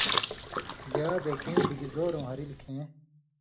یا بے کېں بِگ زورؤں ہرلیۡ کھیں